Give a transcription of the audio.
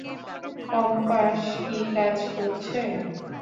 Compass কি কাজ করছে?